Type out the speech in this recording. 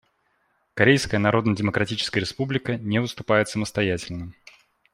Корейская Народно-Демократическая Республика не выступает самостоятельно.